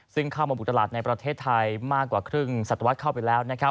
ซึ่งเข้ามาบุกตลาดในประเทศไทยมากกว่าครึ่งสัตวรรษเข้าไปแล้ว